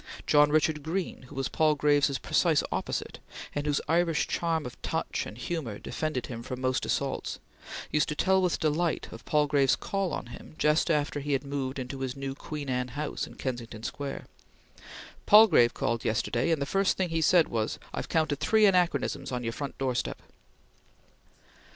John Richard Green, who was Palgrave's precise opposite, and whose Irish charm of touch and humor defended him from most assaults, used to tell with delight of Palgrave's call on him just after he had moved into his new Queen Anne house in Kensington Square: "Palgrave called yesterday, and the first thing he said was, 'I've counted three anachronisms on your front doorstep.'"